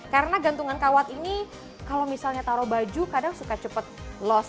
karena gantungan kawat ini kalau misalnya taruh baju kadang suka cepat loss